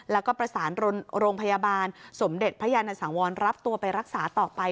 แล้วก็ประสานโรงพยาบาลสมเด็จพระยานสังวรรับตัวไปรักษาต่อไป